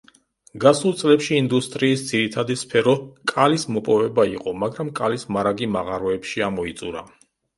გასულ წლებში, ინდუსტრიის ძირითადი სფერო კალის მოპოვება იყო, მაგრამ კალის მარაგი მაღაროებში ამოიწურა.